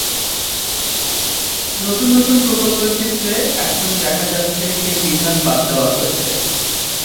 নতুন নতুন প্রকল্পের ক্ষেত্রে এখন দেখা যাচ্ছে সেই বিধান বাদ দেওয়া হয়েছে।